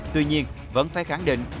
tuy nhiên vẫn phải khẳng định